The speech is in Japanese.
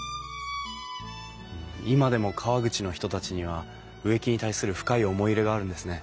今でも川口の人たちには植木に対する深い思い入れがあるんですね。